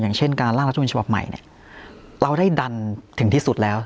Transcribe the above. อย่างเช่นการล่างรัฐมนต์ฉบับใหม่เนี่ยเราได้ดันถึงที่สุดแล้ว